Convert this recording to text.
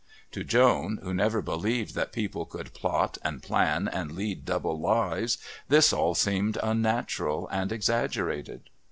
To Joan, who never believed that people could plot and plan and lead double lives, this all seemed unnatural and exaggerated.